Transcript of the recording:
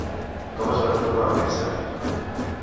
Com es va titular aquesta?